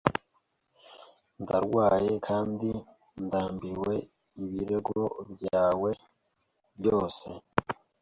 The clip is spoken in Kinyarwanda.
Ndarwaye kandi ndambiwe ibirego byawe byose.